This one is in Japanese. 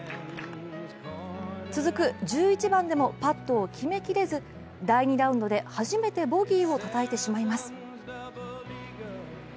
続く１１番でもパットを決めきれず、第２ラウンドで初めてボギーをたたいてしまいます。